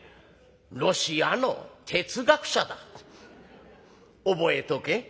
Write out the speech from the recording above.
「ロシアの哲学者だ。覚えとけ。